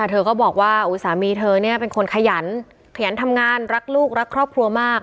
เธอก็บอกว่าสามีเธอเป็นคนขยันขยันทำงานรักลูกรักครอบครัวมาก